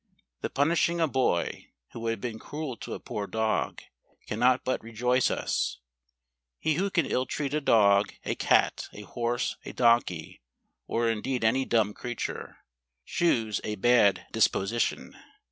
The punishing a boy, who had been cruel to a poor dog, cannot but rejoice us. He who can ill treat a dog, a cat, a horse, a donkey, or indeed any dumb creature, shews a bad dis¬ position.